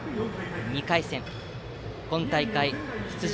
２回戦、今大会出場